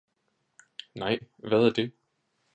nej hvad er det!